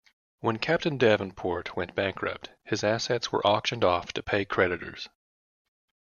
When Captain Davenport went bankrupt, his assets were auctioned off to pay creditors.